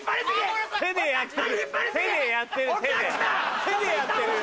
手でやってるよ！